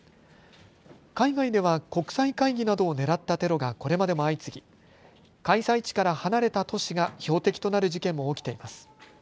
海外では国際会議などを狙ったテロがこれまでも相次ぎ開催地から離れた都市が標的となる事件も起きています。